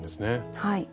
はい。